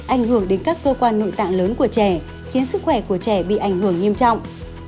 ảnh hưởng đến các cơ quan nội tạng lớn của trẻ khiến sức khỏe của trẻ bị ảnh hưởng nghiêm trọng